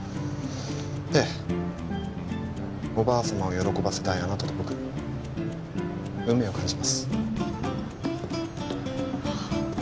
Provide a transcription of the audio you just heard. ええおばあ様を喜ばせたいあなたと僕運命を感じますはっ！？